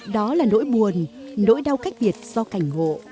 đó là nỗi buồn nỗi đau cách biệt do cảnh ngộ